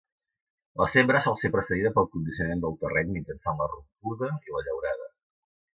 La sembra sol ser precedida pel condicionament del terreny mitjançant la rompuda i la llaurada.